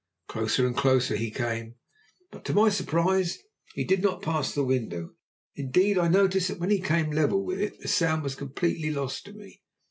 Closer and closer he came. But to my surprise he did not pass the window; indeed, I noticed that when he came level with it the sound was completely lost to me.